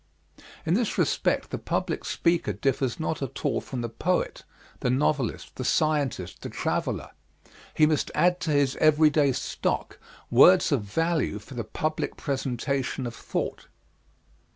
In this respect the public speaker differs not at all from the poet, the novelist, the scientist, the traveler. He must add to his everyday stock, words of value for the public presentation of thought.